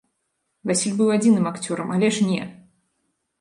Васіль быў адзіным акцёрам, але ж не!